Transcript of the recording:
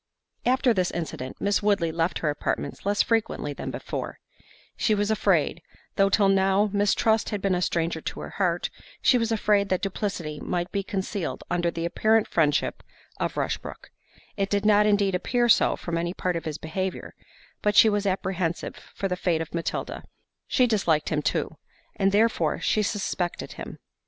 After this incident, Miss Woodley left her apartments less frequently than before—she was afraid, though till now mistrust had been a stranger to her heart, she was afraid that duplicity might be concealed under the apparent friendship of Rushbrook; it did not indeed appear so from any part of his behaviour, but she was apprehensive for the fate of Matilda; she disliked him too, and therefore she suspected him.